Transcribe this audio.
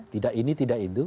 tidak ini tidak itu